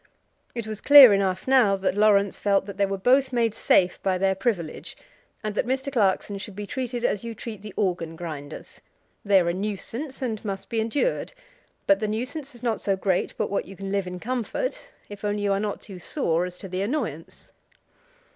It was clear enough now that Laurence felt that they were both made safe by their privilege, and that Mr. Clarkson should be treated as you treat the organ grinders. They are a nuisance and must be endured. But the nuisance is not so great but what you can live in comfort, if only you are not too sore as to the annoyance.